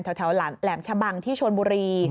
แหลมชะบังที่ชนบุรี